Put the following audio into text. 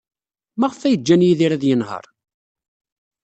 Maɣef ay ǧǧan Yidir ad yenheṛ?